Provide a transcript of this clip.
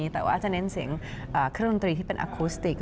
แต่ว่าจะเน้นเสียงเครื่องดนตรีที่เป็นอคุสติก